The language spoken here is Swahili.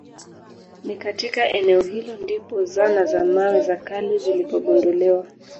Ni katika eneo hilo ndipo zana za mawe za kale zilipogunduliwa